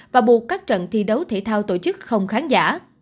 và buộc các trận thi đấu thể thao tổ chức không khán giả